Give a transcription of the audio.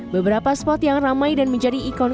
beberapa spot yang ramai dan menjadi ikon kota lama